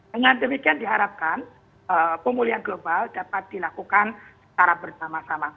dengan demikian diharapkan pemulihan global dapat dilakukan secara bersama sama